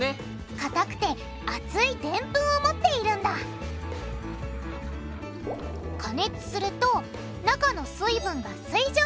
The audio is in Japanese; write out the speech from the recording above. かたくて厚いデンプンを持っているんだ加熱すると中の水分が水蒸気に変わる。